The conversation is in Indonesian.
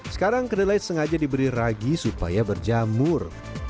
sekarang kedelai sengaja diberi ragi supaya berjamur